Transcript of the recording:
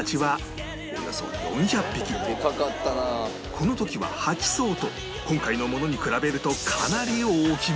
この時は８層と今回のものに比べるとかなり大きめ